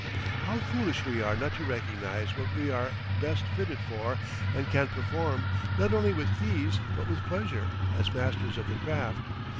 How foolish we are not to recognize what we are best fitted for and can perform, not only with ease but with pleasure, as masters of the craft.